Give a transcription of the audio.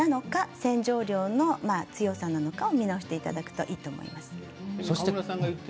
洗い方なのか洗浄の強さなのか見直していただくといいと思います。